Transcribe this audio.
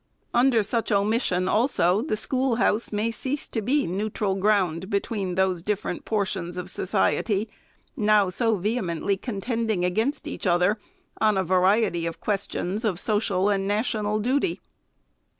Under such omission, also, the schoolhouse may cease to be neutral ground between those different portions of society, now so vehemently contending against each other on a variety of questions of social and national duty.